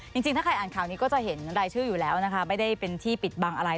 จริงถ้าใครอ่านข่าวนี้ก็จะเห็นรายชื่ออยู่แล้วนะคะไม่ได้เป็นที่ปิดบังอะไร